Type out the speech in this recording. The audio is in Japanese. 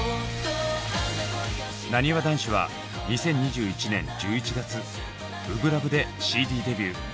なにわ男子は２０２１年１１月「初心ＬＯＶＥ」でＣＤデビュー。